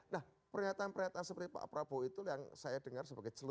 nah pernyataan pernyataan seperti pak prabowo itu yang saya dengar sebagai celuruhan